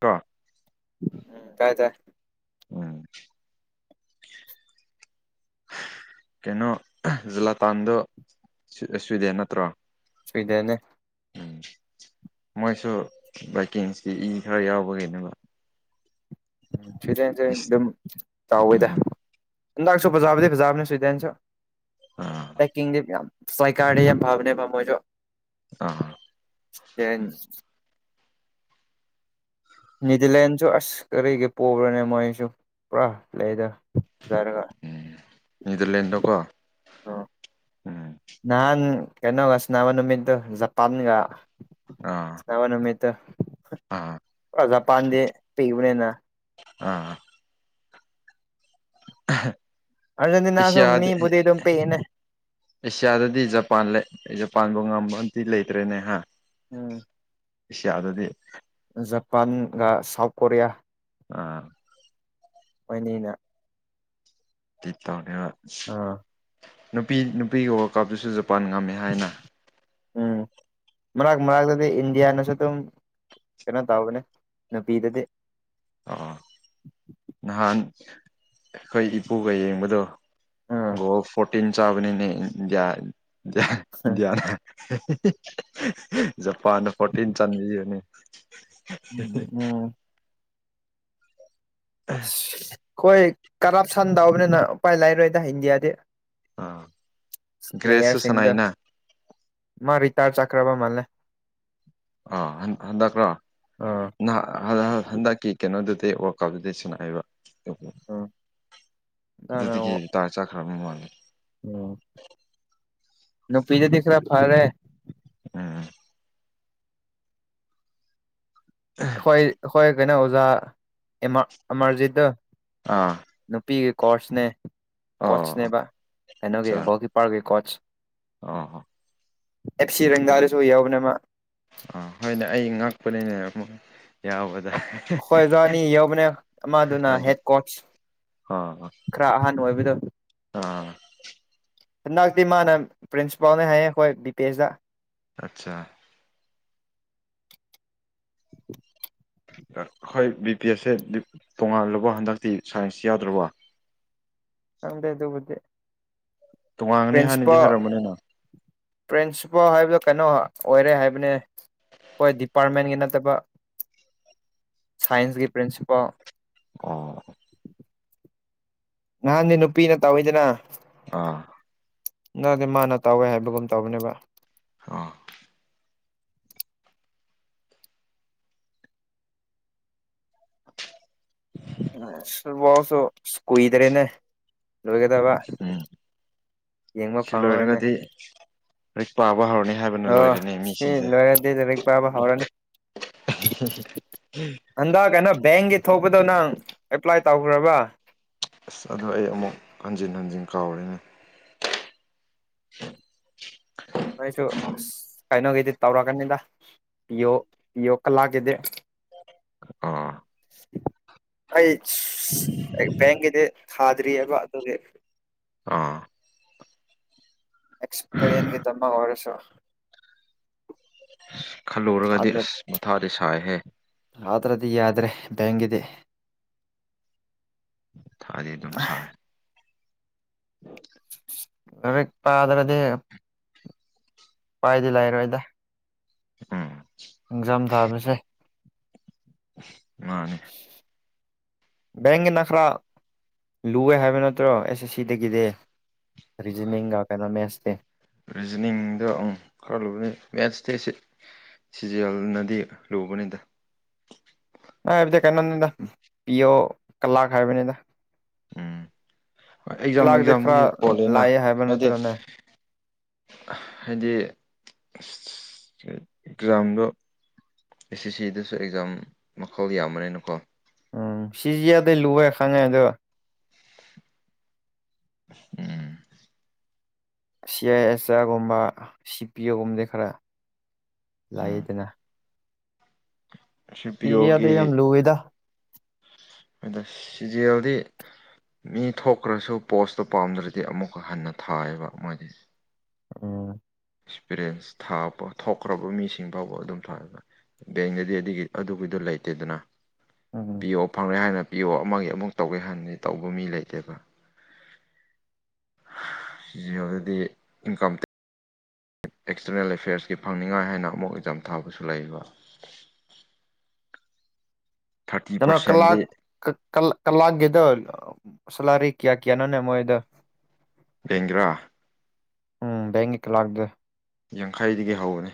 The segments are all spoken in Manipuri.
ꯀꯣ ꯎꯝ ꯇꯥꯏ ꯇꯥꯏ ꯎꯝ [inaudible] ꯀꯩꯅꯣ ꯖꯂꯇꯥꯟꯗꯣ ꯁꯨꯏꯗꯦ ꯅꯠꯇ꯭ꯔꯣ ꯁꯨꯏꯗꯦꯟꯅꯦ ꯎꯝ ꯃꯣꯏꯁꯨ ꯕꯥꯏꯀꯤꯡꯁꯀꯤ ꯏ ꯈꯔ ꯌꯥꯎꯕꯒꯤꯅꯦꯕ ꯁ꯭ꯋꯤꯗꯦꯟ ꯁꯦ ꯏꯁ ꯑꯗꯨꯝ ꯇꯋꯦꯗ ꯎꯝ ꯍꯟꯗꯛꯁꯨ ꯐꯖꯥꯕꯗꯤ ꯐꯖꯕꯅꯤ ꯁ꯭ꯋꯤꯗꯦꯟꯁꯨ ꯑꯥ [unintelligible] ꯌꯥꯝ [unintelligible] ꯐꯕꯅꯦꯕ ꯃꯣꯏꯁꯨ ꯑꯥ ꯇꯦꯟ ꯅꯤꯗꯔꯂꯦꯟꯁꯨ ꯑꯁ ꯀꯔꯤꯒꯤ ꯄꯣꯕ꯭ꯔꯅꯦ ꯃꯣꯏꯁꯨ ꯄꯨꯔꯥ ꯂꯩꯗ ꯐꯖꯔꯒ ꯎꯝ ꯅꯤꯗꯔꯂꯦꯟꯗꯣꯀꯣ ꯑꯣ ꯅꯍꯥꯟ ꯀꯩꯅꯣꯒ ꯁꯥꯟꯅꯕ ꯅꯨꯃꯤꯠꯇꯨ ꯖꯄꯥꯟꯒ ꯑ ꯅꯕ ꯅꯃꯤꯠꯇꯣ ꯖꯄꯥꯟꯗꯦ ꯄꯤꯕꯅꯦꯗ ꯑꯥ [inaudible] ꯑꯔꯖꯦꯟꯇꯤꯅꯥꯁꯨꯨꯝ ꯑꯦꯁꯤꯌꯥꯗ ꯃꯤꯕꯨꯗꯤ ꯑꯗꯨꯝ ꯄꯤꯛ ꯏꯅꯦ ꯑꯦꯁꯤꯌꯥꯗꯗꯤ ꯖꯄꯥꯟ ꯂꯩ ꯖꯄꯥꯟꯕꯨ ꯉꯝꯕ ꯑꯝꯇꯤ ꯂꯩꯇ꯭ꯔꯦꯅꯦ ꯍꯥ ꯎꯝ ꯑꯦꯁꯤꯌꯥꯗꯗꯤ ꯖꯄꯥꯟꯒ ꯁꯥꯎꯠ ꯀꯣꯔꯤꯌꯥ ꯑꯥ ꯃꯣꯏꯅꯤꯅ [unintelligible] ꯇꯧꯅꯦꯕ ꯑꯥ ꯅꯨꯄꯤ ꯅꯨꯄꯤꯒꯤ ꯋꯥꯔꯜ ꯀꯞꯇꯨꯁꯨ ꯖꯄꯥꯟ ꯉꯝꯃꯦ ꯍꯥꯏꯅ ꯎꯝ ꯃꯔꯛ ꯃꯔꯛꯇꯗꯤ ꯏꯟꯗꯤꯌꯥꯅꯁꯨ ꯑꯗꯨꯝ ꯀꯩꯅꯣ ꯇꯧꯕꯅꯦ ꯅꯨꯄꯤꯗꯗꯤ ꯑꯣ ꯅꯍꯥꯟ ꯈꯣꯏ ꯏꯄꯨꯒ ꯌꯦꯡꯕꯗꯣ ꯎꯝ ꯒꯣꯜ ꯐꯣꯔꯇꯤꯟ ꯆꯥꯕꯅꯤꯅꯦ ꯏꯟꯗ꯭ꯌꯥꯅ ꯖꯄꯥꯟꯅ ꯐꯣꯔꯇꯤꯟ ꯆꯥꯟꯕꯤꯕꯅꯤ ꯎꯝ ꯎꯝ ꯈꯣꯏ ꯀꯔꯞꯁꯟ ꯇꯧꯕꯅꯤꯅ ꯎꯄꯥꯏ ꯂꯩꯔꯣꯏꯗ ꯏꯟꯗꯤꯌꯥꯗꯤ ꯑꯥ ꯒ꯭ꯔꯦꯁꯁꯨ ꯄ꯭ꯂꯦꯌꯔꯁꯤꯡꯗꯣ ꯁꯥꯟꯅꯩꯅ ꯑꯃ ꯔꯤꯇꯥꯔ ꯆꯠꯈ꯭ꯔꯕ ꯃꯥꯜꯂꯦ ꯑ ꯍꯟ ꯍꯟꯗꯛ ꯔꯣ ꯑꯥ ꯅ ꯍꯥ ꯍꯥ ꯍꯟꯗꯛ ꯀ ꯀꯩꯅꯣꯗꯨꯗꯩ ꯋꯥꯔꯀꯞꯗꯨꯗꯩ ꯁꯥꯟꯅꯩꯕ ꯎꯝ ꯑꯗꯨꯅ ꯑꯗꯨꯗꯒꯤ ꯇꯥꯏꯔ ꯆꯠꯈ꯭ꯔꯕ ꯃꯥꯜꯂꯦ ꯎꯝ ꯅꯨꯄꯤꯗꯗꯤ ꯈꯔ ꯐꯔꯦ ꯎꯝ ꯑꯈꯣꯏ ꯑꯈꯣꯏ ꯀꯩꯅꯣ ꯑꯣꯖꯥ ꯑꯦꯃ ꯑꯃꯔꯖꯤꯠꯇꯣ ꯑꯥ ꯅꯨꯄꯤꯒꯤ ꯀꯣꯔꯁꯅꯦ ꯑꯣ ꯀꯣꯆꯅꯦꯕ ꯀꯩꯅꯣꯒꯤ ꯑꯠꯆꯥ ꯒꯣꯜ ꯀꯤꯞꯄꯔꯒꯤ ꯀꯣꯆ ꯑꯣ ꯑꯦꯞꯁꯤ ꯔꯪꯗꯥꯗꯁꯨ ꯌꯥꯎꯕꯅꯦ ꯃꯥ ꯑꯥ ꯍꯣꯏꯅꯦ ꯑꯩ ꯉꯛꯄꯅꯤꯅꯦ ꯑꯃꯨꯛ ꯌꯥꯎꯕꯗ ꯈꯣꯏ ꯑꯣꯖꯥ ꯑꯅꯤ ꯌꯥꯎꯕꯅꯦ ꯑꯃꯗꯨꯅ ꯍꯦꯠ ꯀꯣꯆ ꯑꯥ ꯈꯔ ꯑꯍꯥꯟ ꯑꯣꯏꯕꯗꯣ ꯑꯥ ꯍꯟꯗꯛꯇꯤ ꯃꯥꯅ ꯄ꯭ꯔꯤꯟꯁꯤꯄꯥꯜꯅꯦ ꯍꯥꯏꯌꯦ ꯑꯩꯈꯣꯏ ꯕꯤ ꯄꯦ ꯑꯦꯁꯇ ꯑꯠꯆꯥ [unintelligible] ꯑꯈꯣꯏ ꯕꯤ ꯄꯤ ꯑꯦꯁꯁꯦ ꯗꯤ ꯇꯣꯡꯉꯥꯜꯂꯕꯣ ꯍꯟꯗꯛꯇꯤ ꯁꯥꯏꯟꯁ ꯌꯥꯎꯗ꯭ꯔꯕꯣ ꯈꯪꯗꯦ ꯑꯗꯨꯕꯨꯗꯤ ꯇꯣꯉꯥꯟꯒꯅꯤ ꯍꯥꯟꯅꯗꯤ ꯄ꯭ꯔꯤꯟꯁꯤꯄꯥꯜ ꯍꯥꯏꯔꯝꯕꯅꯤꯅ ꯄ꯭ꯔꯤꯟꯁꯤꯄꯥꯜ ꯍꯥꯏꯕꯗꯣ ꯀꯩꯅꯣ ꯑꯣꯏꯔꯦ ꯍꯥꯏꯕꯅꯦ ꯍꯣꯏ ꯗꯤꯄꯥꯔꯠꯃꯦꯟꯒꯤ ꯅꯠꯇꯕ ꯁꯥꯏꯟꯁꯀꯤ ꯄ꯭ꯔꯤꯟꯁꯤꯄꯥꯜ ꯑꯣ ꯉꯍꯥꯟꯗꯤ ꯅꯨꯄꯤꯅ ꯇꯧꯋꯤꯗꯅ ꯑꯥ ꯉꯥꯡꯗꯤ ꯃꯥꯅ ꯇꯧꯋꯦ ꯍꯥꯏꯕꯒꯨꯝ ꯇꯧꯕꯅꯦꯕ ꯑꯣ [unintelligible] [unintelligible] ꯋꯥꯛꯁꯨ ꯑꯁ ꯀꯨꯏꯗ꯭ꯔꯦꯅꯦ ꯂꯣꯏꯒꯗꯕ ꯎꯝ ꯌꯦꯡꯕ ꯁꯤ ꯐꯪꯉꯔꯣꯏꯅꯦ [unintelligible] ꯂꯥꯏꯔꯤꯛ ꯄꯥꯕ ꯍꯧꯔꯅꯦ ꯑꯣ ꯁꯤ ꯂꯣꯏꯔꯗꯤ ꯂꯥꯏꯔꯤꯛ ꯄꯥꯕ ꯍꯧꯔꯅꯤ ꯍꯟꯗꯛ ꯀꯩꯅꯣ ꯕꯦꯡꯒꯤ ꯊꯣꯛꯄꯗꯣ ꯅꯪ ꯑꯦꯄ꯭ꯂꯥꯏ ꯇꯧꯈ꯭ꯔꯕ ꯑꯁ ꯑꯗꯣ ꯑꯩ ꯑꯃꯨꯛ ꯍꯟꯖꯤꯟ ꯍꯟꯖꯤꯟ ꯀꯥꯎꯔꯦꯅꯦ ꯅꯣꯏꯁꯨ ꯑꯁ ꯀꯩꯅꯣꯒꯤꯗꯤ ꯇꯧꯔꯛꯀꯅꯤꯗ ꯄꯤꯌꯣ ꯄꯤꯌꯣ ꯀꯂꯥꯛꯀꯤꯗꯤ ꯑꯥ ꯑꯩꯠꯁ ꯑꯩ ꯕꯦꯡꯒꯤꯗꯤ ꯊꯥꯗ꯭ꯔꯤꯑꯕ ꯑꯗꯨꯒꯤ ꯑꯥ ꯑꯦꯛꯁꯄꯔꯤꯌꯦꯟꯁꯒꯤ ꯇꯝꯕ ꯑꯣꯏꯔꯁꯨ ꯑꯁ ꯈꯜꯂꯨꯔꯒꯗꯤ ꯑꯁ ꯃꯊꯥꯗꯤ ꯁꯥꯏꯍꯦ ꯊꯥꯗꯔꯗꯤ ꯌꯥꯗ꯭ꯔꯦ ꯕꯦꯡꯒꯤꯗꯤ ꯃꯊꯥꯗꯤ ꯑꯗꯨꯝ ꯁꯥꯏ [unintelligible] ꯂꯥꯏꯔꯤꯛ ꯄꯥꯗ꯭ꯔꯗꯤ ꯎꯄꯥꯏꯗꯤ ꯂꯩꯔꯣꯏꯗ ꯎꯝ ꯑꯦꯛꯖꯥꯝ ꯊꯥꯕꯥꯁꯦ ꯃꯥꯅꯦ [inaudible] ꯕꯦꯡꯒꯤꯅ ꯈꯔ ꯂꯨꯋꯦ ꯍꯥꯏꯕ ꯅꯠꯇ꯭ꯔꯣ ꯑꯦꯁ ꯑꯦꯁ ꯁꯤꯗꯒꯤꯗꯤ ꯔꯤꯖꯅꯤꯡ ꯒ ꯀꯩꯅꯣ ꯃꯦꯁꯇꯤ ꯔꯤꯖꯅꯤꯡꯗꯣ ꯑꯑꯪ ꯈꯔ ꯂꯨꯕꯅꯤ ꯃꯦꯠꯁꯇꯤ ꯁꯤ ꯁꯤ ꯖꯤ ꯑꯦꯜꯅꯗꯤ ꯂꯨꯕꯅꯤꯗ ꯅꯪ ꯍꯥꯏꯕꯗꯤ ꯀꯩꯅꯣꯅꯤꯗ ꯄꯤꯌꯣ ꯀꯂꯥꯛ ꯍꯥꯏꯕꯅꯤꯗ ꯎꯝ ꯍꯣꯏ ꯑꯦꯛꯖꯥꯝ ꯀꯂꯥꯛꯗꯤ ꯈꯔ ꯑꯦꯛꯖꯥꯝꯗꯒꯤ ꯄꯣꯜꯂꯦꯅ ꯂꯥꯏ ꯍꯥꯏꯕ ꯍꯥꯏꯗꯤ ꯅꯠꯇ꯭ꯔꯣꯅꯦ ꯍꯥꯏꯗꯤ ꯑꯁ ꯑꯦꯛꯖꯥꯝꯗꯣ ꯑꯦꯁ ꯑꯦꯁ ꯁꯤꯗꯁꯨ ꯑꯦꯛꯖꯥꯝ ꯃꯈꯜ ꯌꯥꯝꯕꯅꯤꯅꯀꯣ ꯎꯝ ꯁꯤ ꯖꯤ ꯑꯦꯜꯗꯤ ꯂꯨꯑꯦ ꯈꯪꯉꯦ ꯑꯗꯣ ꯎꯝ ꯁꯤ ꯑꯥꯏ ꯑꯦꯁ ꯑꯥꯔꯒꯨꯝꯕ ꯁꯤ ꯄꯤ ꯑꯣꯒꯨꯝꯕꯗꯤ ꯈꯔ ꯎꯝ ꯂꯩꯗꯅ ꯁꯤ ꯄꯤ ꯖꯤ ꯑꯦꯜꯗꯤ ꯌꯥꯝ ꯑꯣꯒꯤ ꯂꯨꯋꯦꯗ ꯑꯗ ꯁꯤꯖꯤ ꯑꯦꯜꯗꯤ ꯃꯤ ꯊꯣꯛꯈ꯭ꯔꯁꯨ ꯄꯣꯁꯇꯨ ꯄꯥꯝꯗ꯭ꯔꯗꯤ ꯑꯃꯨꯛꯀ ꯍꯟꯅ ꯊꯥꯏꯑꯕ ꯃꯣꯏꯗꯤ ꯎꯝ ꯑꯦꯛꯁꯄꯤꯔꯤꯌꯦꯟꯁ ꯊꯥꯄ ꯊꯣꯛꯈ꯭ꯔꯕ ꯃꯤꯁꯤꯡ ꯐꯥꯎꯕ ꯑꯗꯨꯝ ꯊꯥꯏꯕ ꯕꯦꯡꯗꯗꯤ ꯑꯗꯨꯒꯤ ꯑꯗꯨꯒꯤꯗꯣ ꯂꯩꯇꯦꯗꯅ ꯎꯝ ꯄꯤꯌ ꯑꯣ ꯐꯪꯔꯦ ꯍꯥꯏꯅ ꯄꯤ ꯑꯣ ꯑꯃꯒꯤ ꯑꯃꯨꯛ ꯇꯧꯒꯦ ꯍꯟꯗꯤ ꯇꯧꯕ ꯃꯤ ꯂꯩꯇꯦꯕ ꯑꯗꯨꯗꯤ ꯏꯟꯀꯝ ꯑꯦꯛꯁꯇꯔꯅꯦꯜ ꯑꯦꯐꯤꯌꯔꯁꯀꯤ ꯐꯪꯅꯤꯡꯉꯥꯏ ꯍꯥꯏꯅ ꯑꯃꯨꯛ ꯑꯦꯛꯖꯥꯝ ꯊꯥꯕꯁꯨ ꯂꯩꯕ ꯊꯥꯔꯇꯤ ꯀꯅꯣ ꯀꯂ ꯄꯥꯔꯁꯦꯟꯗꯤ ꯀ ꯀꯂꯛꯒꯤꯗ ꯁꯂꯔꯤ ꯀꯌꯥ ꯀꯌꯥ ꯅꯅꯦ ꯃꯣꯏꯗꯣ ꯗꯦꯡꯒ꯭ꯔꯥ ꯎꯝ ꯕꯦꯡꯀꯤ ꯀ꯭ꯂꯥꯛꯗꯣ ꯌꯥꯡꯈꯩꯗꯒꯤ ꯍꯧꯕꯅꯤ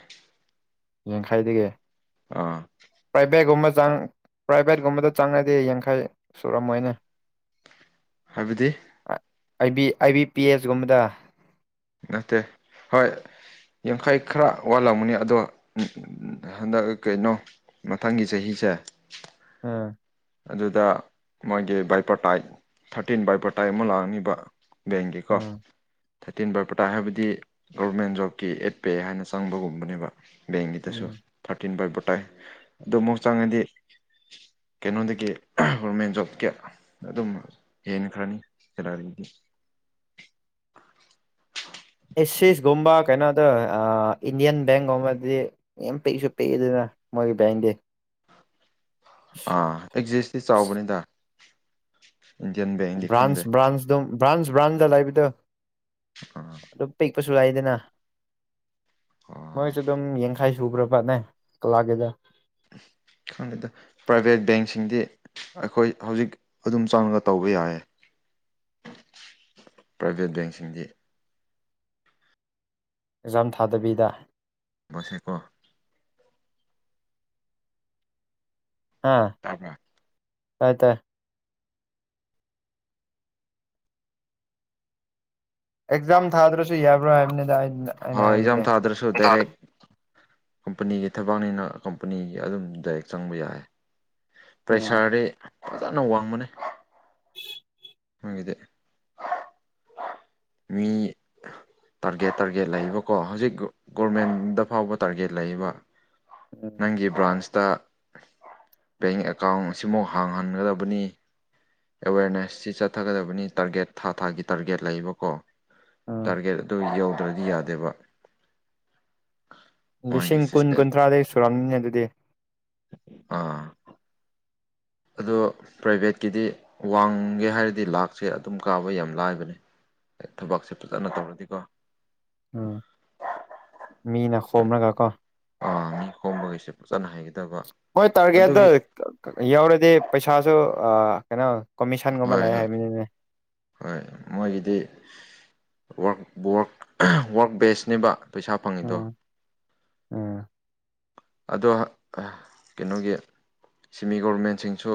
ꯌꯥꯡꯈꯩꯗꯒꯤ ꯑꯥ ꯄ꯭ꯔꯥꯏꯚꯦꯠꯀꯨꯝꯕ ꯆꯪ ꯄ꯭ꯔꯥꯏꯚꯦꯠꯀꯨꯝꯕꯗ ꯆꯪꯉꯗꯤ ꯌꯥꯡꯈꯩ ꯁꯨꯔꯝꯃꯣꯏꯅꯦ [inaudible] ꯍꯥꯏꯕꯗꯤ ꯑꯩ ꯕꯤ ꯑꯥꯏ ꯕꯤ ꯄꯤ ꯑꯦꯁꯒꯨꯝꯕꯗ ꯅꯠꯇꯦ ꯍꯣꯏ ꯌꯥꯡꯈꯩ ꯈꯔ ꯋꯥꯠꯂꯝꯕꯅꯤ ꯑꯗꯣ ꯍꯟꯗꯛ ꯀꯩꯅꯣ ꯃꯊꯪꯒꯤ ꯆꯍꯤꯁꯦ ꯎꯝ ꯑꯗꯨꯗ ꯃꯥꯒꯤ ꯕꯥꯏꯄꯣꯇꯥꯏꯠ ꯊꯥꯔꯇꯤꯟ ꯕꯥꯏꯄꯣꯇꯥꯏꯠ ꯑꯃ ꯂꯥꯛꯑꯅꯤꯕ ꯕꯦꯡꯒꯦꯀꯣ ꯎꯝ ꯊꯔꯇꯤꯟ ꯚꯔ ꯄꯇꯥꯏ ꯍꯥꯏꯕꯗꯤ ꯒꯣꯕꯔꯃꯦꯟ ꯖꯣꯕꯀꯤ ꯑꯦꯠ ꯄꯦ ꯍꯥꯏꯅ ꯆꯪꯕꯒꯨꯝꯕꯅꯦꯕ ꯕꯦꯡꯒꯤꯗꯁꯨ ꯎꯝ ꯊꯥꯔꯇꯤꯟ ꯄꯥꯏꯕ ꯇꯥꯏ ꯑꯗꯨ ꯑꯃꯨꯛ ꯆꯪꯉꯗꯤ ꯀꯩꯅꯣꯗꯒꯤ ꯒꯣꯔꯃꯦꯟ ꯖꯣꯕ ꯀ ꯑꯗꯨꯝ ꯍꯦꯟꯈ꯭ꯔꯅꯤ ꯁꯦꯂꯔꯤꯒꯤ ꯑꯦꯛꯁꯤꯁꯀꯨꯝꯕ ꯀꯩꯅꯣꯗ ꯏꯟꯗꯤꯌꯥꯟ ꯕꯦꯡꯒꯨꯝꯕꯗꯤ ꯑ ꯄꯩꯁꯨ ꯄꯦꯗꯅ ꯃꯣꯏꯒꯤ ꯕꯦꯟꯗꯤ ꯑꯥ ꯑꯦꯛꯖꯤꯁꯇꯤ ꯆꯥꯎꯕꯅꯤꯗ ꯏꯟꯗꯤꯌꯥꯟ ꯕꯦꯡ ꯕ꯭ꯔꯥꯟꯁ ꯕ꯭ꯔꯥꯟꯁ ꯑꯗꯨꯝ ꯕ꯭ꯔꯥꯟꯁ ꯕ꯭ꯔꯥꯟꯗ ꯂꯩꯕꯗ [unintelligible] ꯑꯗꯨꯝ ꯄꯤꯛꯄꯁꯨ ꯂꯥꯏꯗꯅ ꯑꯣ ꯃꯣꯏꯁꯨ ꯑꯗꯨꯝ ꯌꯦ ꯈꯥꯏ ꯁꯨꯕ꯭ꯔꯕꯅꯦ ꯀꯂꯥꯒꯦꯗ ꯈꯪꯉꯦꯗ ꯄ꯭ꯔꯥꯏꯚꯦꯠ ꯕꯦꯡꯁꯤꯡꯗꯤ ꯑꯩꯈꯣꯏ ꯍꯧꯖꯤꯛ ꯑꯗꯨꯝ ꯆꯪꯉꯒ ꯇꯧꯕ ꯌꯥꯏ [inaudible] ꯄ꯭ꯔꯥꯏꯚꯦꯠ ꯕꯦꯡꯁꯤꯡꯗꯤ ꯑꯦꯛꯖꯥꯝ ꯊꯥꯗꯕꯤꯗ ꯁꯀ [unintelligible] ꯑꯥ ꯍ ꯇꯥꯕ꯭ꯔꯥ ꯇꯥꯏ ꯇꯥꯏ ꯑꯦꯛꯖꯥꯝ ꯊꯥꯗ꯭ꯔꯁꯨ ꯌꯥꯕ꯭ꯔꯥ ꯍꯥꯏꯕꯅꯤꯗ ꯑꯗ ꯍꯣꯏ ꯏꯖꯥꯝ ꯊꯥꯗ꯭ꯔꯁꯨ ꯇꯔ ꯀꯝꯄꯅꯤꯒꯤ ꯊꯕꯛꯅꯤꯅ ꯀꯝꯄꯅꯤꯒꯤ ꯑꯗꯨꯝ ꯗꯥꯏꯔꯦꯛ ꯆꯪꯕ ꯌꯥꯏ ꯎꯝ ꯄ꯭ꯔꯦꯁꯥꯔꯗꯤ ꯐꯖꯅ ꯋꯥꯡꯕꯅꯤ ꯃꯒꯤꯗ ꯃꯤ ꯇꯥꯔꯒꯦꯠ ꯇꯥꯔꯒꯦꯠ ꯂꯩꯕꯀꯣ ꯍꯧꯖꯤꯛ ꯒꯣꯔꯃꯦꯟꯗ ꯐꯥꯎꯕ ꯇꯥꯔꯒꯦꯠ ꯂꯩꯕ ꯎꯝ ꯅꯪꯒꯤ ꯕ꯭ꯔꯥꯟꯁꯇ ꯕꯦꯡ ꯑꯦꯀꯥꯎꯟ ꯑꯁꯤꯃꯨꯛ ꯍꯥꯡꯍꯟꯒꯗꯕꯅꯤ ꯑꯦꯋꯦꯔꯅꯦꯁꯁꯤ ꯆꯠꯊꯒꯗꯕꯅꯤ ꯇꯥꯔꯒꯦꯠ ꯊꯥ ꯊꯥꯒꯤ ꯇꯥꯔꯒꯦꯠ ꯂꯩꯕꯀꯣ ꯎꯝ ꯇꯥꯔꯒꯦꯠ ꯑꯗꯨ ꯌꯧꯗ꯭ꯔꯗꯤ ꯌꯥꯗꯦꯕ ꯃꯣꯏꯒꯤ ꯂꯤꯁꯤꯡ ꯀꯨꯟ ꯁꯤꯁꯇꯦꯝ ꯀꯨꯟꯊ꯭ꯔꯥꯗꯒꯤꯩ ꯁꯨꯔꯝꯅꯤꯅꯦ ꯑꯗꯨꯗꯤ ꯑꯥ ꯑꯗꯣ ꯄ꯭ꯔꯥꯏꯚꯦꯠꯀꯤꯗꯤ ꯋꯥꯡꯒꯦ ꯍꯥꯏꯔꯗꯤ ꯂꯥꯛꯁꯦ ꯑꯗꯨꯝ ꯀꯥꯕ ꯌꯥꯝ ꯂꯥꯏꯕꯅꯦ ꯊꯕꯛꯁꯦ ꯐꯖꯅ ꯇꯧꯔꯗꯤꯀꯣ ꯎꯝ ꯃꯤꯅ ꯈꯣꯝꯂꯒ ꯀꯣ ꯑꯥ ꯃꯤ ꯈꯣꯝꯕꯒꯤꯁꯦ ꯐꯖꯟꯅ ꯍꯩꯒꯗꯕ ꯑꯗꯨꯒꯤ ꯌꯥꯎꯔꯗꯤ ꯄꯩꯁꯥꯁꯨ ꯑ ꯀꯩꯅꯣ ꯀꯣꯃꯤꯁꯟꯒꯨꯝꯕ ꯍꯣꯏ ꯂꯩ ꯍꯣꯏ ꯍꯥꯏꯕꯅꯤꯅꯦ ꯍꯣꯏ ꯃꯣꯏꯒꯤꯗꯤ ꯋꯛ ꯋꯥꯛ ꯋꯥꯔꯛ ꯕꯦꯁꯅꯦꯕ ꯄꯩꯁꯥ ꯐꯪꯉꯤꯗꯣ ꯎꯡ ꯑꯗꯣ ꯀꯩꯅꯣꯒꯤ ꯁꯤꯃꯤ ꯒꯣꯕꯔꯃꯦꯟꯁꯤꯡꯁꯨ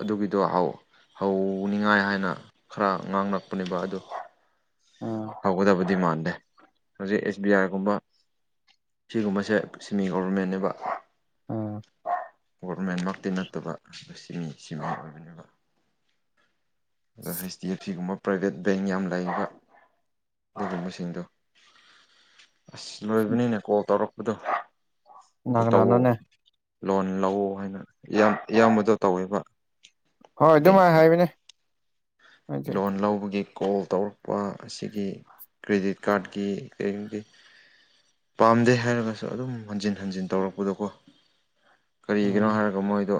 ꯑꯗꯨꯒꯤꯗꯣ ꯍꯧ ꯍꯧꯅꯤꯡꯉꯥꯏ ꯍꯥꯏꯅ ꯈꯔ ꯉꯥꯡꯂꯛꯄꯅꯦꯕ ꯑꯗꯨ ꯎꯝ ꯍꯧꯒꯗꯕꯗꯤ ꯃꯥꯟꯗꯦ ꯍꯧꯖꯤꯛ ꯑꯦꯁ ꯕꯤ ꯑꯥꯏꯒꯨꯝꯕ ꯁꯤꯒꯨꯝꯕꯁꯦ ꯁꯤꯃꯤ ꯒꯣꯕꯔꯃꯦꯟꯅꯦꯕ ꯎꯝ ꯒꯣꯔꯚꯃꯦꯟꯃꯛꯇꯤ ꯅꯠꯇꯕ ꯁꯤ ꯃꯤ ꯁꯤꯃꯤ ꯑꯣꯏꯕꯅꯦꯕ ꯑꯗꯣ ꯍꯩꯆ ꯗꯤ ꯑꯦꯐ ꯁꯤꯒꯨꯝꯕ ꯄ꯭ꯔꯥꯏꯕꯦꯠ ꯕꯦꯡ ꯌꯥꯝ ꯂꯩꯕ ꯑꯗꯨꯒꯨꯝꯕꯁꯤꯡꯗꯣ ꯑꯁ ꯂꯣꯏꯕꯅꯤꯅꯦ ꯀꯣꯜ ꯇꯧꯔꯛꯄꯗꯣ ꯀꯅꯥ ꯁꯤ ꯇꯧ ꯀꯅꯥꯅꯣꯅꯦ ꯂꯣꯟ ꯂꯧ ꯍꯥꯏꯅ ꯏꯌꯥꯝꯕꯗꯣ ꯇꯧꯋꯦꯕ ꯍꯣꯏ ꯑꯗꯨꯃꯥꯏꯅ ꯕꯦꯡꯁꯦ ꯍꯥꯏꯕꯅꯦ ꯍꯥꯏꯗꯤ ꯂꯣꯟ ꯂꯧꯕꯒꯤ ꯀꯣꯜ ꯇꯧꯔꯛꯄ ꯑꯁꯤꯒꯤ ꯀ꯭ꯔꯦꯗꯤꯠ ꯀꯥꯔꯠꯀꯤ ꯀꯩꯒꯤ ꯄꯥꯝꯗꯦ ꯍꯥꯏꯔꯒꯁꯨ ꯑꯗꯨꯝ ꯍꯟꯖꯤꯟ ꯍꯟꯖꯤꯟ ꯇꯧꯔꯛꯄꯗꯣꯀꯣ ꯀꯔꯤꯒꯤꯅꯣ ꯎꯝ ꯍꯥꯏꯔꯒ ꯃꯣꯏꯗꯣ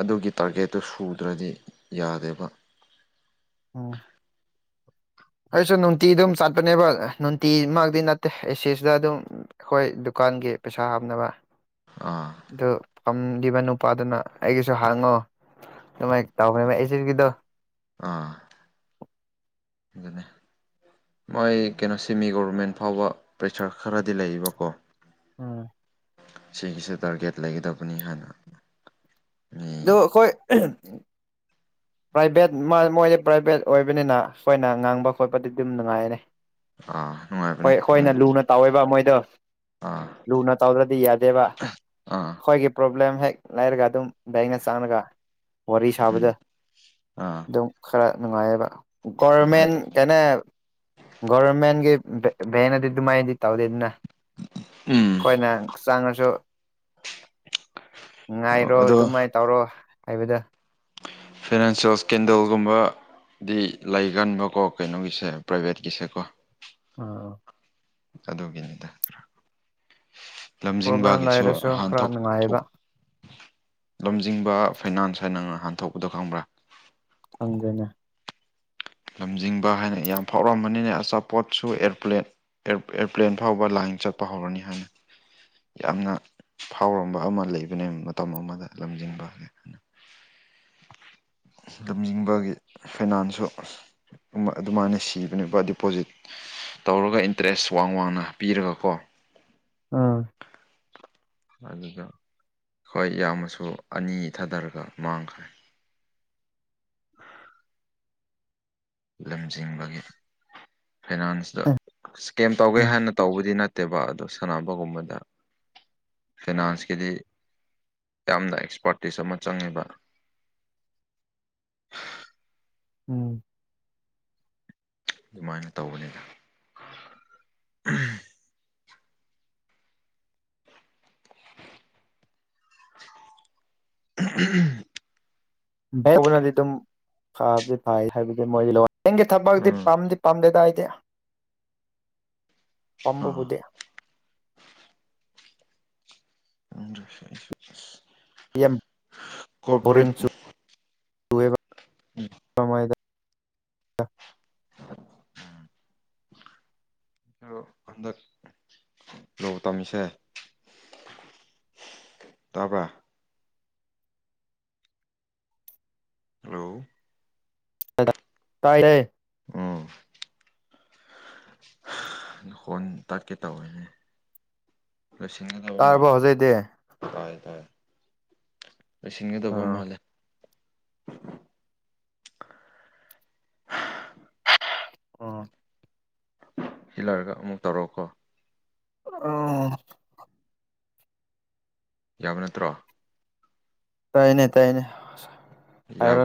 ꯑꯗꯨꯒꯤ ꯇꯥꯔꯒꯦꯠꯇꯨ ꯁꯨꯗ꯭ꯔꯗꯤ ꯌꯥꯗꯦꯕ ꯎꯝ ꯑꯩꯁꯨ ꯅꯨꯡꯇꯤ ꯑꯗꯨꯝ ꯆꯥꯠꯄꯅꯦꯕ ꯅꯨꯡꯇꯤ ꯃꯥꯛꯇꯤ ꯅꯠꯇꯦ ꯑꯦꯁꯤ ꯁꯤꯗ ꯑꯗꯨꯝ ꯑꯩꯈꯣꯏ ꯗꯨꯀꯥꯟꯒꯤ ꯄꯩꯁꯥ ꯍꯥꯞꯅꯕ ꯑꯥ ꯑꯗꯨ ꯐꯝꯒꯤꯕ ꯅꯨ ꯅꯨꯄꯥꯗꯨꯅ ꯑꯩꯒꯤꯁꯨ ꯍꯥꯡꯉꯣ ꯑꯗꯨꯃꯥꯏꯅ ꯇꯥꯎꯕꯅꯦꯕ ꯑꯦꯖꯦꯟꯒꯤꯗꯣ ꯑꯥ [inaudible] ꯑꯗꯨꯅꯦ ꯃꯣꯏ ꯀꯩꯅꯣ ꯁꯦꯃꯤ ꯒꯣꯕꯔꯃꯦꯟ ꯐꯥꯎꯕ ꯄꯩꯁꯥ ꯈꯔꯗꯤ ꯂꯩꯌꯦꯕꯀꯣ ꯎꯝ ꯁꯤꯒꯤꯁꯨ ꯇꯥꯔꯒꯦꯠ ꯂꯩꯒꯗꯕꯅꯤ ꯍꯥꯏꯅ ꯑꯗꯨ ꯃꯤ ꯑꯩꯈꯣꯏ ꯄ꯭ꯔꯥꯏꯚꯦꯠ ꯃꯣꯏꯗꯤ ꯄ꯭ꯔꯥꯏꯚꯦꯠ ꯑꯣꯏꯕꯅꯤꯅ ꯑꯩꯈꯣꯏꯅ ꯉꯥꯡꯕ ꯈꯣꯠꯄꯗꯤ ꯑꯗꯨꯝ ꯅꯨꯡꯉꯥꯏꯔꯦ ꯑꯥ ꯅꯨꯡꯉꯥꯏ ꯍꯣꯏ ꯑꯩꯈꯣꯏꯅ ꯂꯨꯅ ꯇꯧꯋꯦꯕ ꯃꯣꯏꯗꯣ ꯑꯥ ꯂꯨꯅ ꯇꯧꯗ꯭ꯔꯗꯤ ꯌꯥꯗꯦꯕ ꯑꯥ ꯑꯩꯈꯣꯏꯒꯤ ꯄ꯭ꯔꯣꯕ꯭ꯂꯦꯝ ꯍꯦꯛ ꯂꯩꯔꯒ ꯑꯗꯨꯝ ꯕꯦꯡꯅ ꯆꯪꯉꯒ ꯋꯥꯔꯤ ꯁꯥꯕꯗꯣ ꯎꯝ ꯑꯥ ꯑꯗꯨꯝ ꯈꯔ ꯅꯨꯡꯉꯥꯏꯌꯦꯕ ꯑꯗꯨꯃꯥꯏꯅ ꯒꯣꯔꯃꯦꯟ ꯇꯧ ꯀꯩꯅꯣ ꯒꯣꯕꯔꯃꯦꯟꯒꯤ ꯚꯦꯟꯅꯗꯤ ꯑꯗꯨꯃꯥꯏꯅꯗꯤ ꯇꯧꯗꯦꯗꯅ ꯎꯝ ꯑꯩꯈꯣꯏꯅ ꯆꯪꯉꯁꯨ ꯉꯥꯏꯔꯣ ꯑꯗꯣ ꯑꯗꯨꯃꯥꯏ ꯇꯧꯔꯣ ꯍꯥꯏꯕꯗꯣ ꯐꯤꯅꯥꯟꯁꯤꯌꯦꯜ ꯏꯁꯀꯦꯟꯗꯜꯒꯨꯝꯕ ꯗꯤ ꯂꯩꯒꯟꯕꯀꯣ ꯀꯩꯅꯣꯒꯤꯁꯦ ꯄ꯭ꯔꯥꯏꯚꯦꯠꯀꯤꯁꯦꯀꯣ ꯑ ꯑꯣ ꯑꯗꯨꯒꯤꯅꯤꯗ ꯄ꯭ꯔꯣꯕ꯭ꯂꯦꯝ ꯂꯝꯖꯤꯡꯕꯒꯤꯁꯨ ꯂꯩꯔꯁꯨ ꯍꯥꯟ ꯈꯔ ꯊꯣꯛ ꯊꯣꯛ ꯅꯨꯡꯉꯥꯏꯕ ꯂꯝꯖꯤꯡꯕ ꯐꯩꯅꯥꯟꯁ ꯍꯥꯏꯅ ꯉꯍꯥꯟ ꯊꯣꯛꯄꯗꯣ ꯈꯪꯕ꯭ꯔꯥ ꯈꯪꯗꯦꯅꯦ ꯂꯝꯖꯤꯡꯕ ꯍꯥꯏꯅ ꯌꯥꯝ ꯐꯥꯎꯔꯛꯑꯝꯕꯅꯤꯅ ꯑꯆꯥꯄꯣꯠꯁꯨ ꯑꯦꯔꯄ꯭ꯂꯦꯟ ꯑꯦꯔꯣꯄ꯭ꯂꯦꯟ ꯐꯥꯎꯕ ꯂꯥꯏꯟ ꯆꯠꯄ ꯍꯧꯔꯅꯤ ꯍꯥꯏꯅ ꯌꯥꯝꯅ ꯐꯥꯎꯔꯝꯕ ꯑꯃ ꯂꯩꯕꯅꯦ ꯃꯇꯝ ꯑꯃꯗ ꯂꯝꯖꯤꯡꯕ ꯍꯥꯏꯅ [inaudible] ꯂꯝꯖꯤꯡꯕꯒꯤ ꯐꯥꯏꯅꯥꯟꯁꯨ ꯑꯗꯨꯃꯥꯏꯅ ꯁꯤꯕꯅꯦꯕ ꯗꯤꯄꯣꯖꯤꯠ ꯇꯧꯔꯒ ꯏꯟꯇꯔꯦꯁ ꯋꯥꯡ ꯋꯥꯡꯅ ꯄꯤꯔꯒꯀꯣ ꯑꯥ ꯍꯥꯏ ꯀ ꯍꯈꯣꯏ ꯌꯥꯝꯅꯁꯨ ꯑꯅꯤ ꯊꯥꯗꯔꯒ ꯃꯥꯡꯈ꯭ꯔꯦ ꯂꯝꯖꯤꯡꯕꯒꯤ ꯐꯥꯏꯅꯥꯟꯁꯇ ꯏꯁꯀꯦꯝ ꯇꯧꯒꯦ ꯍꯥꯟꯅ ꯇꯧꯕꯗꯤ ꯅꯠꯇꯦ ꯇꯦꯕꯥꯥꯛ ꯑꯗꯨ ꯁꯥꯟꯅꯕꯒꯨꯝꯕꯗ ꯐꯤꯅꯥꯟꯁꯀꯤꯗꯤ ꯌꯥꯝꯅ ꯑꯦꯛꯁꯄꯥꯔꯇꯤꯁ ꯑꯃ ꯆꯪꯉꯦꯕ ꯎꯝ ꯑꯗꯨꯃꯥꯏꯅ ꯇꯧꯕꯅꯤꯗ [unintelligible] ꯕꯦꯡꯅꯗꯤ ꯑꯗꯨꯝ ꯐꯕꯗꯤ ꯐꯩ ꯍꯥꯏꯕꯗꯤ ꯃꯣꯏꯗꯤꯕꯦꯡꯒꯤ ꯊꯕꯛꯇ ꯎꯝ ꯄꯝꯗꯤ ꯄꯝꯗꯦꯗ ꯑꯩꯗꯤ ꯑꯥ ꯄꯝꯕꯕꯨꯗꯏ ꯑꯗꯨ [unintelligible] ꯑꯗꯔ ꯂ ꯇꯝꯃꯤꯁꯦ ꯇꯥꯕ꯭ꯔꯥ ꯍꯜꯂꯣ ꯇꯥꯏꯌꯦ ꯍꯣꯏ ꯇꯠꯀꯦ ꯇꯧꯅꯦ ꯂꯣꯏꯁꯤꯟꯒꯗꯕ ꯃꯥꯜ ꯇꯥꯔꯕꯣ ꯍꯧꯖꯤꯛꯇꯤ [unintelligible] ꯂꯣꯏꯁꯤꯟꯒꯗꯕ ꯑꯥ ꯃꯥꯜꯂꯦ ꯑꯣ ꯍꯤꯜꯂꯔꯒ ꯑꯃꯨꯛ ꯇꯧꯔꯛꯑꯣꯀꯣ ꯑꯣ ꯌꯥꯕ ꯅꯠꯇ꯭ꯔꯣ ꯇꯥꯏꯅꯦ ꯇꯥꯏꯅꯦ ꯍꯥꯏꯔꯣ ꯌꯥ